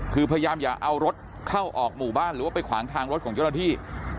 คือพยายามอย่าเอารถเข้าออกหมู่บ้านหรือว่าไปขวางทางรถของเจ้าหน้าที่